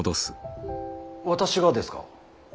私がですか。